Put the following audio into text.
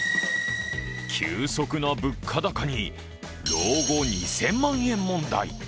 急速な物価高に老後２０００万円問題。